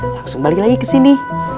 langsung balik lagi kesini